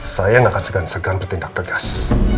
saya akan berkomitmen dengan tegas